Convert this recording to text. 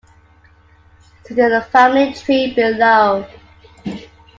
See the family tree below.